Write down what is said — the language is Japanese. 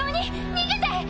逃げて！